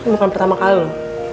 bukan pertama kali loh